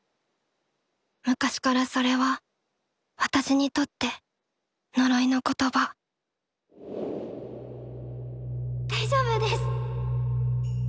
昔からそれは私にとって呪いの言葉大丈夫です。